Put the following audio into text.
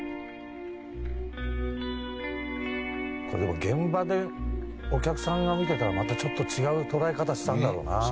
「これでも現場でお客さんが見てたらまたちょっと違う捉え方したんだろうな」